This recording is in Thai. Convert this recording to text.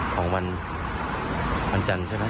ของวันจันทร์ใช่ไหม